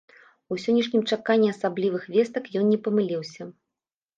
У сённяшнім чаканні асаблівых вестак ён не памыліўся.